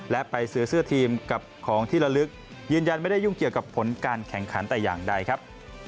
และไปซื้อเสื้อทีมกับของที่ละลึกยืนยันไม่ได้ยุ่งเกี่ยวกับผลการแข่งขันแต่อย่างใดครับ